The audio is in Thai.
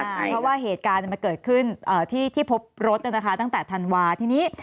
เพราะว่าเหตุการณ์มันเกิดขึ้นที่พบรถตั้งแต่ธันวาทีนี้